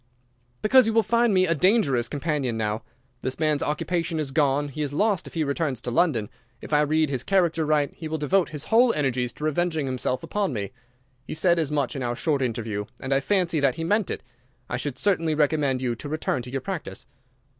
"Because you will find me a dangerous companion now. This man's occupation is gone. He is lost if he returns to London. If I read his character right he will devote his whole energies to revenging himself upon me. He said as much in our short interview, and I fancy that he meant it. I should certainly recommend you to return to your practice."